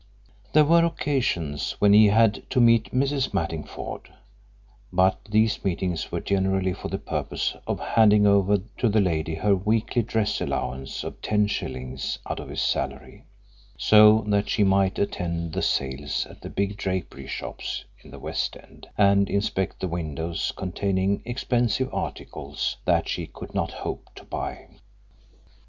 There were occasions when he had to meet Mrs. Mattingford, but these meetings were generally for the purpose of handing over to the lady her weekly dress allowance of ten shillings out of his salary, so that she might attend the sales at the big drapery shops in the West End and inspect the windows containing expensive articles that she could not hope to buy.